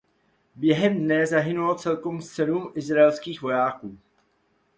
Během dne zahynulo celkem sedm izraelských vojáků.